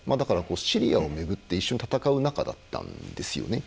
シリアをめぐって一緒に戦う仲だったんですね。